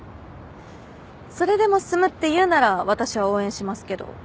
それでも進むっていうなら私は応援しますけど。